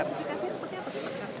kondifikasinya seperti apa supercar